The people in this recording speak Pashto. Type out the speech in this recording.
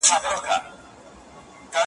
پر اسمان باندي غوړ لمر وو راختلی ,